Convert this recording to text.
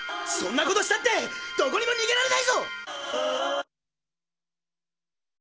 そんな事したってどこにもにげられないぞ！